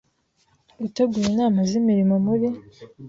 gutegura inama z imirimo muri